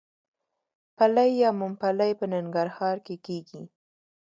پلی یا ممپلی په ننګرهار کې کیږي.